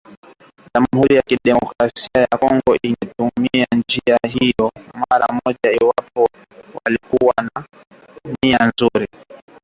jamhuri ya kidemokrasia ya Kongo ingetumia njia hiyo mara moja iwapo walikuwa na nia nzuri